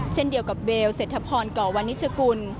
เช่นเดียวกับเบลเสร็จทภรกวันนิจกุล